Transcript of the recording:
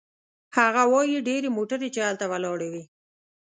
هغه وايي: "ډېرې موټرې چې هلته ولاړې وې